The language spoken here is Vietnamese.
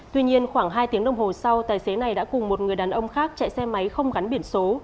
tuy nhiên khoảng hai tiếng đồng hồ sau tài xế này đã cùng một người đàn ông khác chạy xe máy không gắn biển số